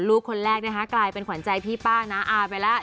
ลูกคนแรกนะคะกลายเป็นขวัญใจพี่ป้าน้าอาไปแล้ว